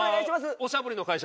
おしゃぶりの会社？